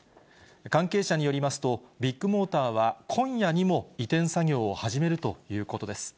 関係者によりますと、ビッグモーターは今夜にも移転作業を始めるということです。